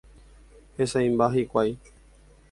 Hesãimba hikuái.